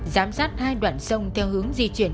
giám sát hai đoạn sông theo hướng di chuyển